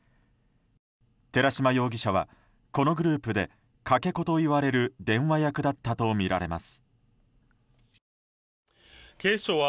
寺島容疑者は、このグループでかけ子といわれる電話役だったとみられます。